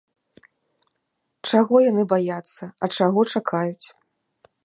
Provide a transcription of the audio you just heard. Чаго яны баяцца, а чаго чакаюць?